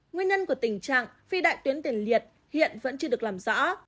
nguyên nhân của tình trạng phi đại tuyến tiền liệt hiện vẫn chưa được làm rõ